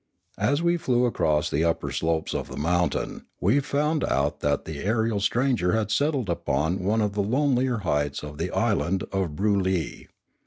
As we flew across the upper slopes of the mountain we found out that the aerial stranger had settled upon one of the lonelier heights of the island of Broolyi.